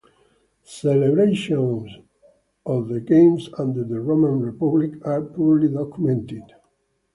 Celebrations of the Games under the Roman Republic are poorly documented.